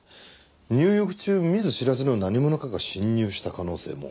入浴中見ず知らずの何者かが侵入した可能性も。